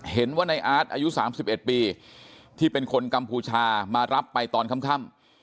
เห็นว่าในอาร์ตอายุ๓๑ปีที่เป็นคนกัมพูชามารับไปตอนค่ำ